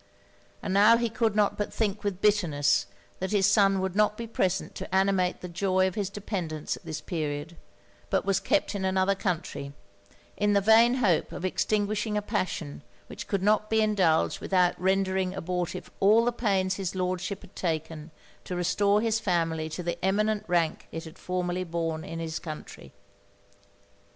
And now he could not but think with bitterness that his son would not be present to animate the joy of his dependants at this period; but was kept in another country, in the vain hope of extinguishing a passion which could not be indulged without rendering abortive all the pains his Lordship had taken to restore his family to the eminent rank it had formerly borne in his country.